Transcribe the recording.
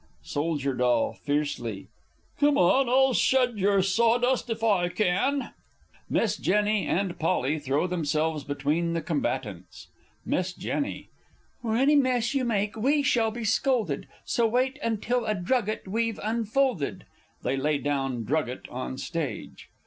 Soldier D. (fiercely). Come on, I'll shed your sawdust if I can! [Miss J. and P. throw themselves between the combatants. Miss J. For any mess you make we shall be scolded, So wait until a drugget we've unfolded! [_They lay down drugget on Stage.